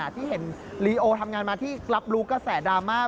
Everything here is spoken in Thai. ที่เห็นลีโอทำงานมาที่รับรู้กระแสดราม่า